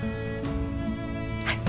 はい。